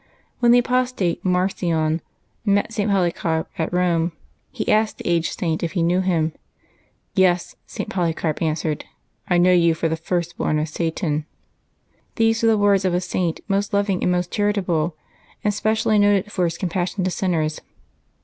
When the apostate Marcion met St. Polycarp at Rome, he asked the aged Saint if he knew him. " Yes," St. Polycarp an swered, " I know you for the first born of Satan." These were the words of a Saint most loving and most char itable, and specially noted for his compassion to sinners.